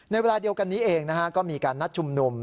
เวลาเดียวกันนี้เองก็มีการนัดชุมนุม